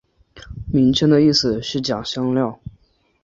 名称的意思是将香料。